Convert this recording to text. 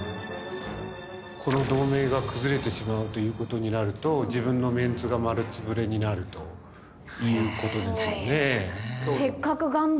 この同盟が崩れてしまうという事になると自分のメンツが丸潰れになるという事なんですね。